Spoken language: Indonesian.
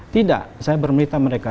tidak saya berminta mereka